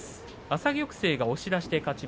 朝玉勢押し出しの勝ち。